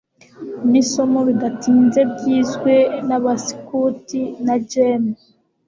nisomo bidatinze byizwe nabaskuti na Jem